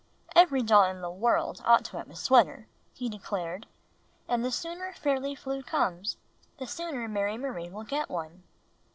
" "Every doll in the world ought to have a sweater," he declared. "And the sooner Fairly Flew comes, the sooner Mary Marie will get one."